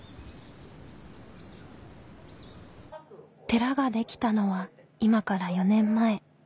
寺ができたのは今から４年前。